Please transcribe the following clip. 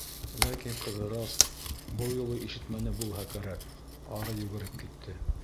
Ләкин Ҡыҙырас, был юлы ишетмәне булһа кәрәк, ары йүгереп китте.